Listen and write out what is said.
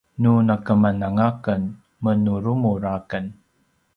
nu nakemananga aken menurumur aken